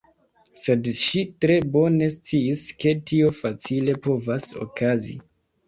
Sed ŝi tre bone sciis ke tio facile povas okazi.